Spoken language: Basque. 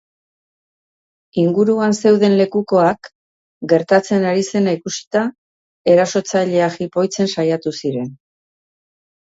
Inguruan zeuden lekukoak, gertatzen ari zena ikusita, erasotzailea jipoitzen saiatu ziren.